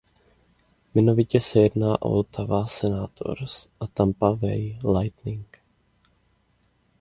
Jmenovitě se jedná o Ottawa Senators a Tampa Bay Lightning.